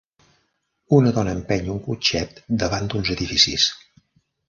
Una dona empeny un cotxet davant d'uns edificis.